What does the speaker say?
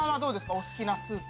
お好きなスープ。